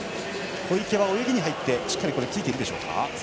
小池は泳ぎに入ってついていけてるでしょうか。